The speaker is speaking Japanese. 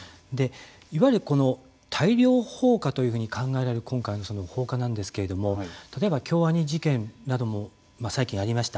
いわゆる大量放火というふうに考えられる今回の放火なんですけれども例えば、京アニ事件なども最近ありました。